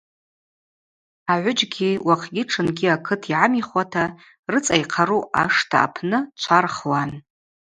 Агӏвыджьгьи, уахъгьи тшынгьи акыт йгӏамихуата, рыцӏа йхъару ашта апны чва рхуан.